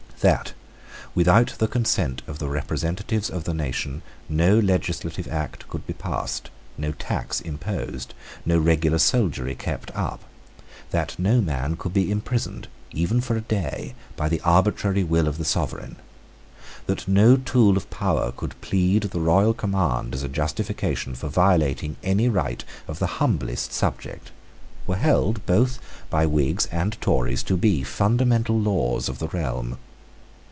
That, without the consent of the representatives of the nation, no legislative act could be passed, no tax imposed, no regular soldiery kept up, that no man could be imprisoned, even for a day, by the arbitrary will of the sovereign, that no tool of power could plead the royal command as a justification for violating any right of the humblest subject, were held, both by Whigs and Tories, to be fundamental laws of the realm.